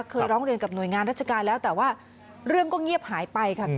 เคยร้องเรียนกับหน่วยงานราชการแล้วแต่ว่าเรื่องก็เงียบหายไปค่ะ